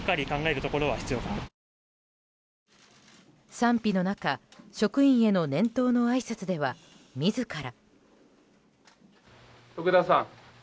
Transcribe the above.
賛否の中、職員への年頭のあいさつでは自ら。